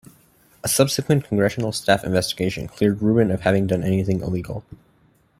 A subsequent congressional staff investigation cleared Rubin of having done anything illegal.